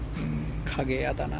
影、嫌だな。